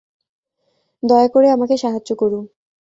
দয়া করে আমাকে সাহায্য করুন।